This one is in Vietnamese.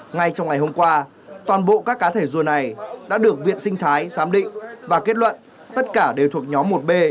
ngay trong ngày hôm qua toàn bộ các cá thể rùa này đã được viện sinh thái giám định và kết luận tất cả đều thuộc nhóm một b